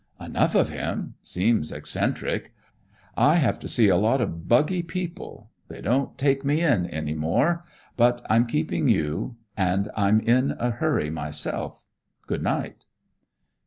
"Enough of him. Seems eccentric. I have to see a lot of buggy people. They don't take me in any more. But I'm keeping you and I'm in a hurry myself. Good night."